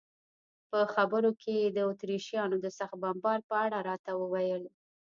په خبرو کې یې د اتریشیانو د سخت بمبار په اړه راته وویل.